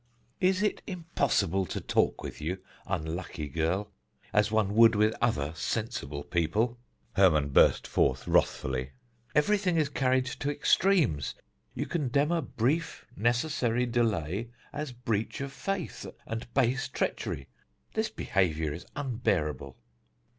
"Is it impossible to talk with you, unlucky girl, as one would with other sensible people?" Hermon burst forth wrathfully. "Everything is carried to extremes; you condemn a brief necessary delay as breach of faith and base treachery. This behaviour is unbearable."